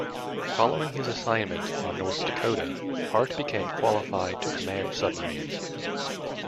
Following his assignment on "North Dakota", Hart became qualified to command submarines.